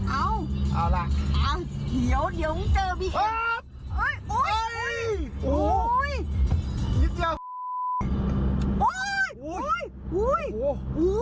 เอาละ